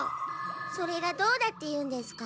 それがどうだっていうんですか？